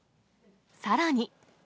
さらに。